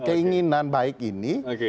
keinginan baik ini